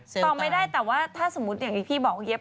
ตอบไม่ได้ถ้าสมมติพี่บอกเหยียบ